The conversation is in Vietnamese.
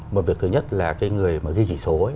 một việc thứ nhất là cái người mà ghi chỉ số ấy